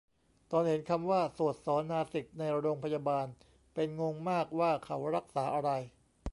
ตอนเห็นคำว่าโสต ศอ นาสิก ในโรงพยาบาล เป็นงงมากว่าเขารักษาอะไร